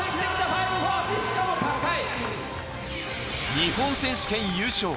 日本選手権優勝。